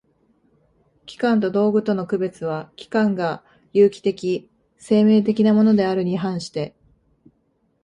器官と道具との区別は、器官が有機的（生命的）なものであるに反して